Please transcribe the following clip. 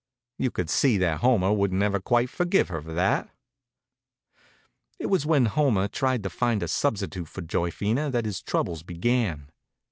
You could see that Homer wouldn't ever quite forgive her for that. It was when Homer tried to find a substitute for Joyphena that his troubles began.